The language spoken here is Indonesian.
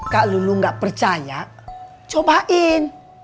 kalo lu gak percaya cobain